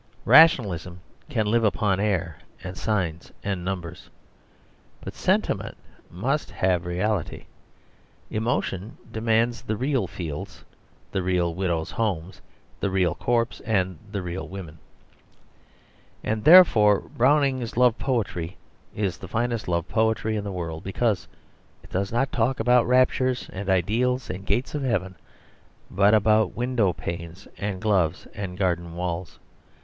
Rationalism can live upon air and signs and numbers. But sentiment must have reality; emotion demands the real fields, the real widows' homes, the real corpse, and the real woman. And therefore Browning's love poetry is the finest love poetry in the world, because it does not talk about raptures and ideals and gates of heaven, but about window panes and gloves and garden walls.